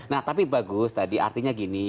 nah tapi bagus tadi artinya gini